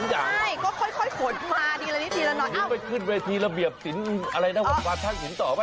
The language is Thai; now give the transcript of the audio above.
ไม่ได้ขึ้นเวทีระเบียบสินอะไรนะวะวาดท่านผมตอบไว้